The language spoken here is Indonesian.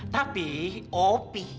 tapi op sih